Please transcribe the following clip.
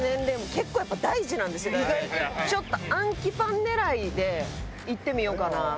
ちょっとアンキパン狙いでいってみようかな。